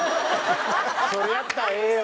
それやったらええよ。